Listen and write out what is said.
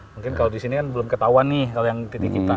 mungkin kalau di sini kan belum ketahuan nih kalau yang titik kita